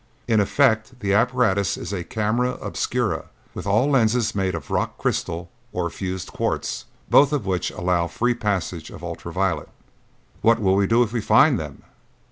In effect the apparatus is a camera obscura with all lens made of rock crystal or fused quartz, both of which allow free passage to ultra violet." "What will we do if we find them?"